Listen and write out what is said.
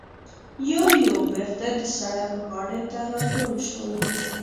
یو یو بېرته د سړک غاړې ته راټول شولو.